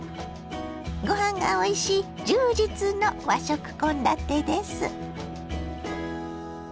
ごはんがおいしい充実の和食献立です。